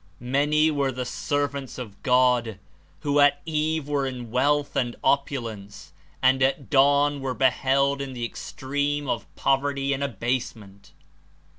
Many were the servants (of God) who at eve were in wealth and opulence and at dawn were beheld in the extreme of poverty and abasement